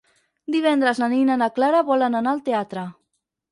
Divendres na Nina i na Clara volen anar al teatre.